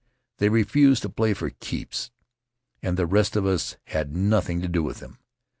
They refused to play "for keeps," and the rest of us had nothing to do with them.